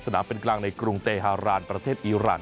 สนามเป็นกลางในกรุงเตฮารานประเทศอีราน